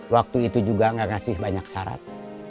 waktu itu juga gak ngasih banyak syarat